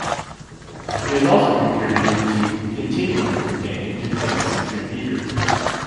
He has also contributed to "The Continuum Companion to Twentieth-Century Theatre".